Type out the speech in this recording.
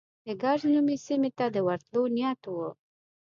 د کرز نومي سیمې ته د ورتلو نیت و.